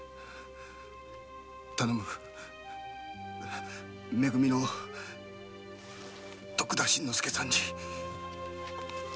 頼むめ組の徳田新之助さんに。